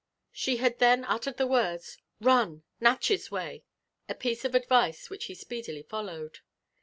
She had then uttered the words «*Run!— Natchea way :"*— a pieeeof advieo which he speedily followed.